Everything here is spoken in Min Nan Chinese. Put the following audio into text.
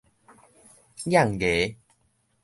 齴牙